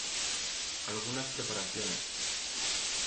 Algunas preparaciones